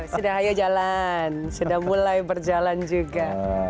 sudah ayo jalan sudah mulai berjalan juga